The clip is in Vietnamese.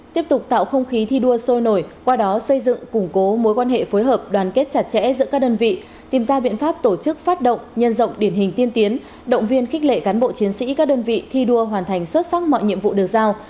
tiếp tục tạo không khí thi đua sôi nổi qua đó xây dựng củng cố mối quan hệ phối hợp đoàn kết chặt chẽ giữa các đơn vị tìm ra biện pháp tổ chức phát động nhân rộng điển hình tiên tiến động viên khích lệ cán bộ chiến sĩ các đơn vị thi đua hoàn thành xuất sắc mọi nhiệm vụ được giao